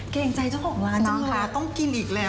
เกรงใจเจ้าของร้านเจ้าของร้านต้องกินอีกแล้ว